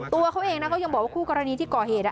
ตัวเขาเองนะเขายังบอกว่าคู่กรณีที่ก่อเหตุ